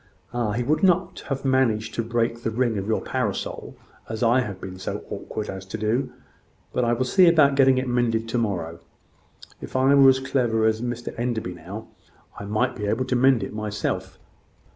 "Ah! he would not have managed to break the ring of your parasol, as I have been so awkward as to do. But I will see about getting it mended to morrow. If I were as clever as Mr Enderby now, I might be able to mend it myself."